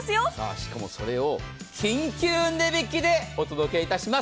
しかも、それを緊急値引きでお届けいたします。